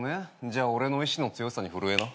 じゃあ俺の意志の強さに震えな。